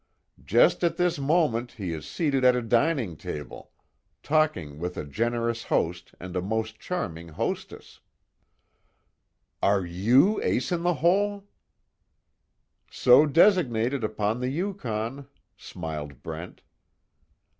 "Just at this moment he is seated at a dining table, talking with a generous host, and a most charming hostess " "Are you Ace In The Hole?" "So designated upon the Yukon," smiled Brent.